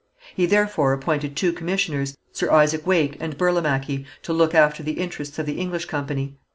He therefore appointed two commissioners, Sir Isaac Wake and Burlamachi, to look after the interests of the English company.